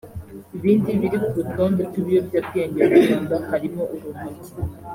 Ibindi biri ku rutonde rw’ibiyobyabwenge mu Rwanda harimo Urumogi